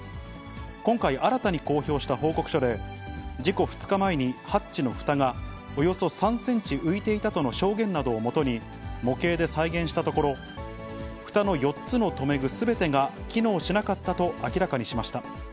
今回、新たに公表した報告書で、事故２日前にハッチのふたがおよそ２センチ浮いていたとの証言などをもとに、模型で再現したところ、ふたの４つの留め具すべてが機能しなかったと明らかにしました。